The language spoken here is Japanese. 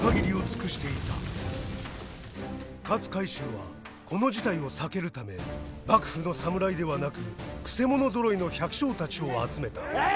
勝海舟はこの事態を避けるため幕府の侍ではなくくせ者ぞろいの百姓たちを集めた。